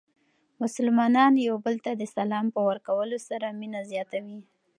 مسلمانان یو بل ته د سلام په ورکولو سره مینه زیاتوي.